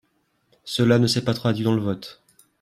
Cela ne s’est pas traduit dans le vote.